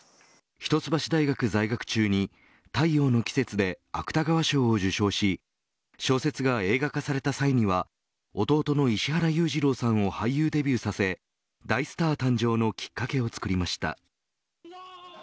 一橋大学在学中に太陽の季節で芥川賞を受賞し小説が映画化された際には弟の石原裕次郎さんを俳優デビューさせ大スター誕生のきっかけを作りました。